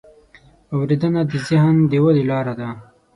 اورېدنه د ذهن د ودې لاره ده.